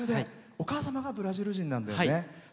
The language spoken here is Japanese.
お母様がブラジル人なんだよね。